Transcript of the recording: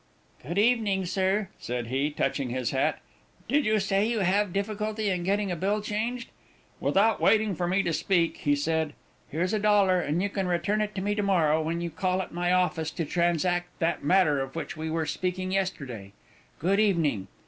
"Good evening, sir," said he, touching his hat, "did you say you have difficulty in getting a bill changed?" Without waiting for me to speak he said, "here's a dollar; you can return it to me to morrow, when you call at my office to transact that matter of which we were speaking yesterday. Good evening."